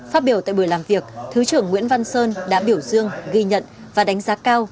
phát biểu tại buổi làm việc thứ trưởng nguyễn văn sơn đã biểu dương ghi nhận và đánh giá cao